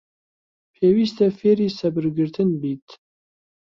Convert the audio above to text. پێویستە فێری سەبرگرتن بیت.